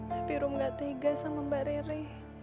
tapi rumi gak tegas sama mba rere